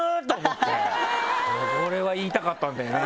これは言いたかったんだよね。